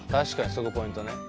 そこポイントね。